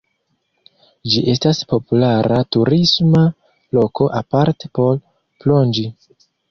Ĝi estas populara turisma loko, aparte por plonĝi.